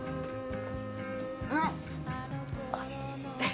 うん、おいしい。